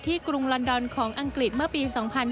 กรุงลอนดอนของอังกฤษเมื่อปี๒๕๕๙